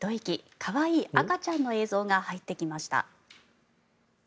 可愛い赤ちゃんの映像が入ってきました。